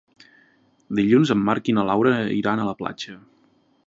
Dilluns en Marc i na Laura iran a la platja.